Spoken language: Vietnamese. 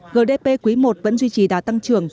gdp quý i vẫn duy trì đá tăng trưởng